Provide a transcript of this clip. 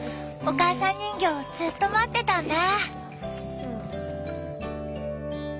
お母さん人形ずっと待ってたんだぁ。